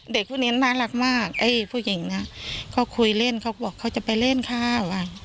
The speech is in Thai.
เด็กพวกนี้น่ารักมากไอ้ผู้หญิงนะเขาคุยเล่นเขาก็บอกเขาจะไปเล่นข้าว